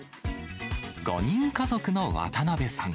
５人家族の渡辺さん。